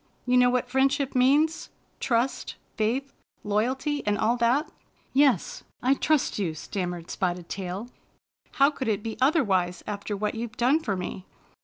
You know what friendship means? — ^trust, faith, loyalty, and all that?" "Yes, I trust you," stammered Spotted Tail. "How could it be otherwise after what you've done for me?